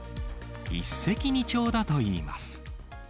一石二鳥だといいます。